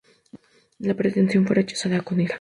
La pretensión fue rechazada con ira.